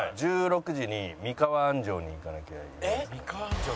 １６時に三河安城に行かなきゃいけなくて。